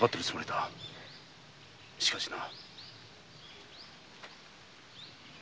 しかしな。